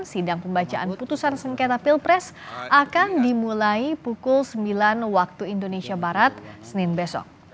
sidang pembacaan putusan sengketa pilpres akan dimulai pukul sembilan waktu indonesia barat senin besok